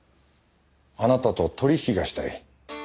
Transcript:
あなたと取引がしたい。